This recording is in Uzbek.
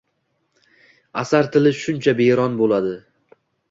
asar tili shuncha biyron bo’ladi.